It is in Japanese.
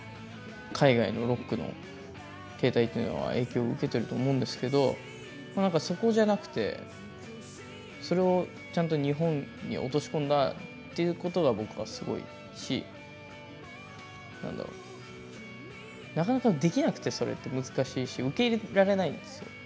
海外のロックの形態っていうのは影響を受けてると思うんですけどなんかそこじゃなくてそれをちゃんと日本に落とし込んだっていうことが僕はすごいし何だろうなかなかできなくてそれって難しいし受け入れられないんですよ。